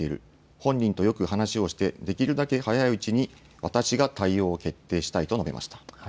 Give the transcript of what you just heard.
本人とよく話をして、できるだけ早いうちに、私が対応を決定したいと述べました。